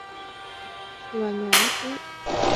Loà nhoà mắt ướt